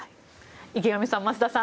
池上さん、増田さん